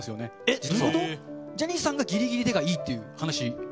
ジャニーさんがぎりぎりでがいいっていう話。